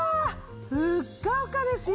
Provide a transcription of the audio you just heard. ふっかふかですよ！